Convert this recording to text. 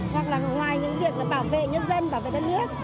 hoặc là ngoài những việc bảo vệ nhân dân bảo vệ đất nước